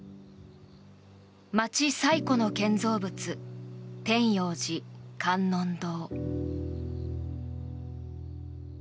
町最古の建造物、天養寺観音堂。